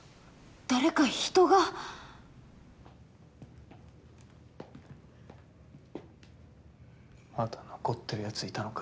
誰か人がまだ残ってるやついたのか？